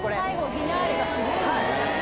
フィナーレがすごいんですよ。